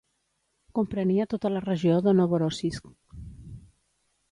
Comprenia tota la regió de Novorossisk.